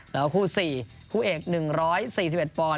แล้วคู่สี่คู่เอก๑๔๑ปอน